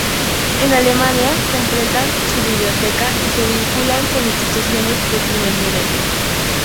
En Alemania completa su biblioteca y se vincula con instituciones de primer nivel.